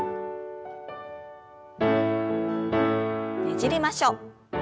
ねじりましょう。